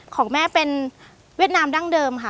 ของแม่เป็นเวียดนามดั้งเดิมค่ะ